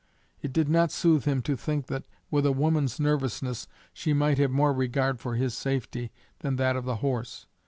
It did not soothe him to think that, with a woman's nervousness, she might have more regard for his safety than that of the horse.